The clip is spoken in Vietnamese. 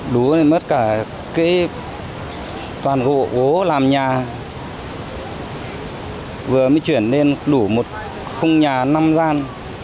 lũ mất cả toàn gỗ làm nhà vừa mới chuyển lên đủ một khung nhà năm gian